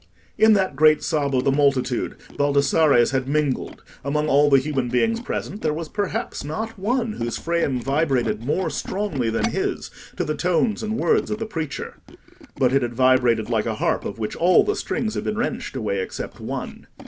In that great sob of the multitude Baldassarre's had mingled. Among all the human beings present, there was perhaps not one whose frame vibrated more strongly than his to the tones and words of the preacher; but it had vibrated like a harp of which all the strings had been wrenched away except one.